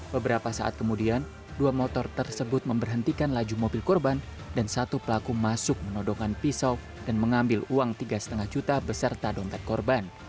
beberapa saat kemudian dua motor tersebut memberhentikan laju mobil korban dan satu pelaku masuk menodongan pisau dan mengambil uang tiga lima juta beserta dompet korban